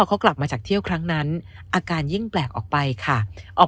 เขากลับมาจากเที่ยวครั้งนั้นอาการยิ่งแปลกออกไปค่ะออก